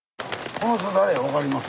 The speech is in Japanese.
この人誰や分かります？